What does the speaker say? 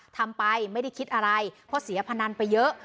ทำไปไม่ได้คิดอะไรเพราะเสียพนันไปเยอะ